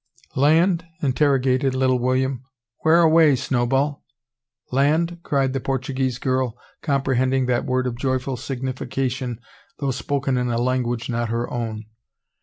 "Land?" interrogated little William. "Whereaway, Snowball?" "Land?" cried the Portuguese girl, comprehending that word of joyful signification, though spoken in a language not her own.